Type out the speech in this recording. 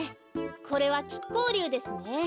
これはきっこうりゅうですね。